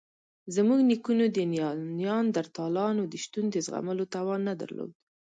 زموږ نیکونو د نیاندرتالانو د شتون د زغملو توان نه درلود.